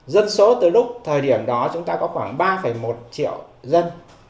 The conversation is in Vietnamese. dân số từ lúc thời điểm đó chúng ta có khoảng ba một triệu dân